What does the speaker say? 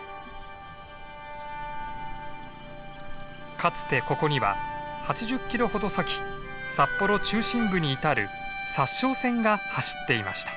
かつてここには８０キロほど先札幌中心部に至る札沼線が走っていました。